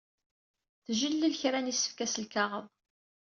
Tjellel kra n yisefka s lkaɣeḍ.